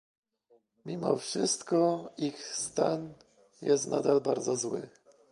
Mimo wszystko ich stan nadal jest bardzo zły